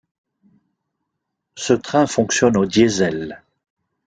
Ce train fonctionne au Diesel.